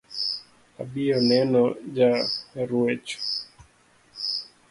Abiyo neno ja ruecho